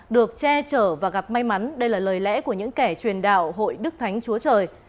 được che chở và gặp may mắn đây là lời lẽ của những kẻ truyền đạo hội đức thánh chúa trời